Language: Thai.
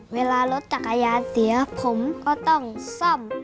เวลารถจักรยานเสียผมก็ต้องซ่อม